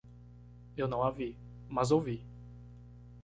Eu não a vi, mas ouvi.